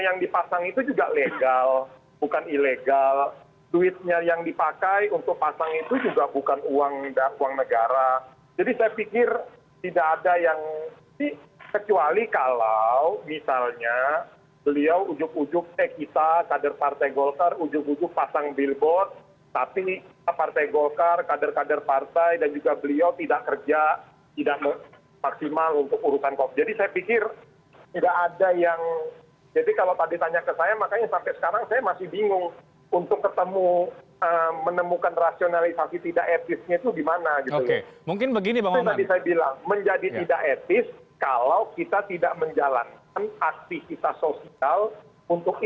yang jelas saya melihat mas renhat